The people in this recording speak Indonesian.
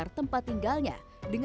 lebih dari lima ratus kadang